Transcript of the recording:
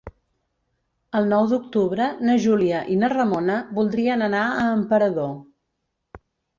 El nou d'octubre na Júlia i na Ramona voldrien anar a Emperador.